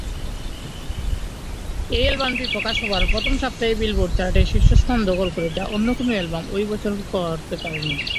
এই অ্যালবামটি প্রকাশ হবার প্রথম সপ্তাহেই বিলবোর্ড চার্টে শীর্ষস্থান দখল করে যা অন্য কোনো অ্যালবাম ঐ বছর করতে পারেনি।